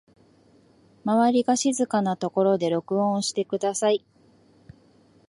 周りが静かなところで録音してください